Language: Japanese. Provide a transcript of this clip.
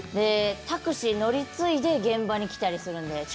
タクシーを乗り継いで現場に来たりするんで。